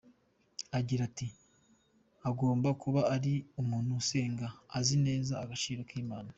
Agira ati "Agomba kuba ari umuntu usenga, azi neza agaciro k’Imana.